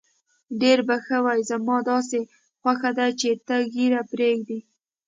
ډېر به ښه وي، زما داسې خوښه ده چې ته ږیره پرېږدې.